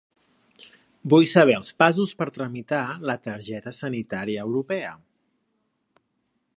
Vull saber els passos per tramitar la targeta sanitaria europea.